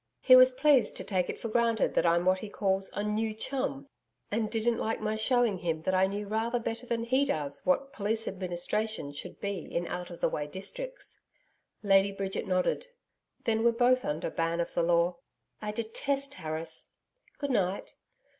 He was pleased to take it for granted that I'm what he calls a "new chum," and didn't like my shewing him that I knew rather better than he does what police administration should be in out of the way districts.' Lady Bridget nodded. 'Then we're both under ban of the Law. I DETEST Harris.... Good night.'